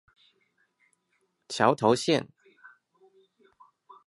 橋頭線